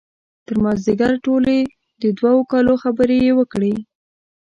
تر مازدیګر ټولې د دوه کالو خبرې یې وکړې.